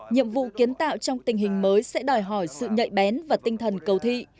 nhiệm vụ kiến tạo trong tình hình mới sẽ đòi hỏi sự nhạy bén và tinh thần cầu thị